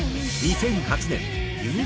２００８年